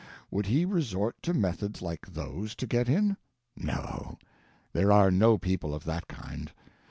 Would he resort to methods like those to get in? No; there are no people of that kind.